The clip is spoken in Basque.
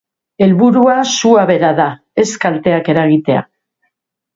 Helburua sua bera da, ez kalteak eragitea.